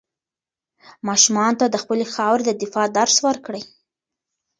ماشومانو ته د خپلې خاورې د دفاع درس ورکړئ.